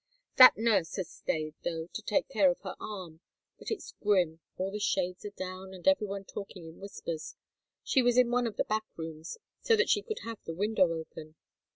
That nurse has stayed, though, to take care of her arm. But it's grim all the shades down, and every one talking in whispers. She was in one of the back rooms, so that she could have the window open."